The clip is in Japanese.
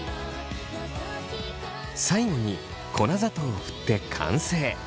最後に粉砂糖を振って完成。